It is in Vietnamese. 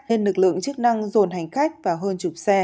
nên lực lượng chức năng dồn hành khách và hơn chục xe